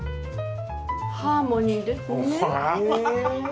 ハーモニーですね。